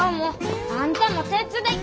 あんたも手伝い！